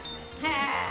へえ！